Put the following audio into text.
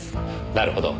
なるほど。